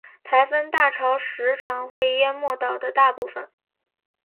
台风大潮时常会淹没岛的大部分。